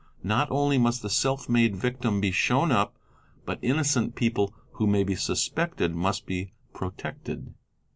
; Not only must the self made victim be shown up, but inocent people — who may be suspected must be protected.